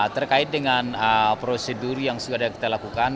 terkait dengan prosedur yang sudah kita lakukan